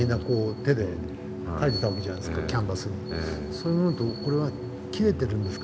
そういうものとこれは切れてるんですか？